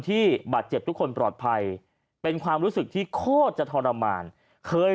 ที่บาดเจ็บทุกคนปลอดภัยเป็นความรู้สึกที่โคตรจะทรมานเคย